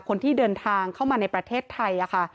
คนที่เดินทางเข้ามาในประเทศไทยค่ะ